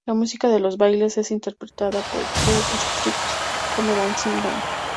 La música de los bailes es interpretada por "The Strictly Come Dancing Band".